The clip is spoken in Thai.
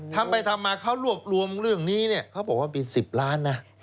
ทำไปทำมาเขารวบรวมเรื่องนี้เนี่ยเขาบอกว่าเป็น๑๐ล้านนะ